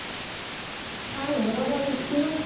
はい室堂に着きました。